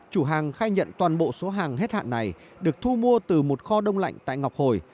chủ hàng khai nhận toàn bộ số hàng hết hạn này được thu mua từ một kho đông lạnh tại ngọc hồi